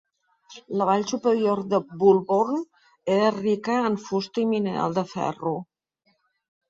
La vall superior de Bulbourne era rica en fusta i mineral de ferro.